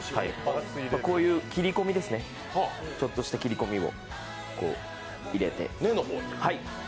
こういう切り込みですね、ちょっとした切り込みを入れて。